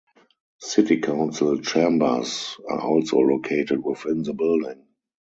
City Council chambers are also located within the building.